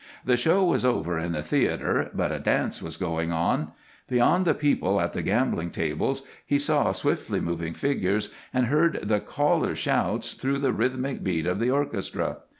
The show was over in the theater, but a dance was going on. Beyond the people at the gambling tables he saw swiftly moving figures and heard the caller's shouts through the rhythmic beat of the orchestra.